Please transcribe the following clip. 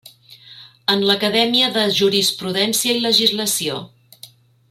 En l'Acadèmia de Jurisprudència i Legislació.